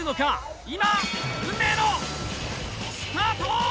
今運命のスタート！